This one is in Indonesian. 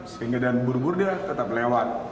sehingga dan buru buru dia tetap lewat